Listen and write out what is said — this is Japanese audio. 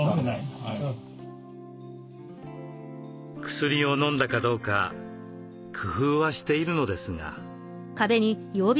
薬をのんだかどうか工夫はしているのですが。